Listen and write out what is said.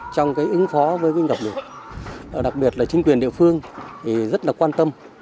trong cái ứng phó với mưa lũ đặc biệt là chính quyền địa phương thì rất là quan tâm